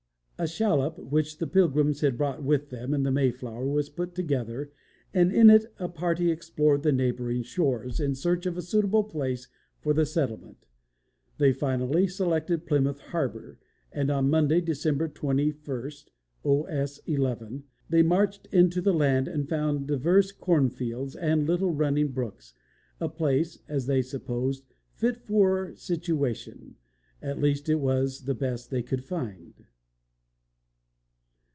A shallop which the Pilgrims had brought with them in the Mayflower was put together, and in it a party explored the neighboring shores, in search of a suitable place for the settlement. They finally selected Plymouth Harbor, and on Monday, December 21 (O. S. 11), they "marched into the land and found divers corn fields and little running brooks, a place (as they supposed) fit for situation; at least it was the best they could find."